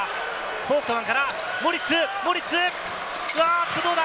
フォウクトマンからモリッツ、どうだ？